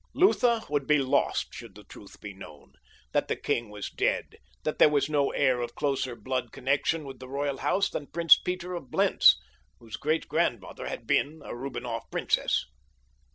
Lutha would be lost should the truth be known—that the king was dead, for there was no heir of closer blood connection with the royal house than Prince Peter of Blentz, whose great grandmother had been a Rubinroth princess.